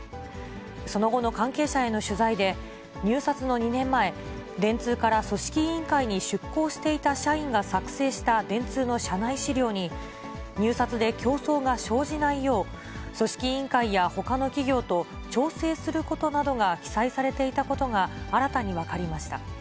その後の関係者への取材で、入札の２年前、電通から組織委員会に出向していた社員が作成した電通の社内資料に、入札で競争が生じないよう、組織委員会やほかの企業と調整することなどが記載されていたことが、新たに分かりました。